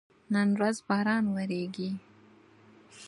نن ورځ باران وریږي